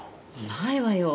ないわよ。